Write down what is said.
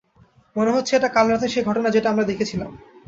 মনে হচ্ছে এটা কাল রাতের সেই ঘটনা যেটা আমরা দেখেছিলাম।